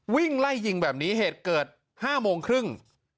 วิ่งไล่ยิงแบบนี้เหตุเกิด๕โมงครึ่ง